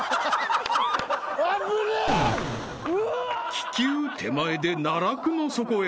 ［気球手前で奈落の底へ］